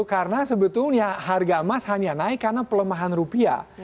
karena sebetulnya harga emas hanya naik karena pelemahan rupiah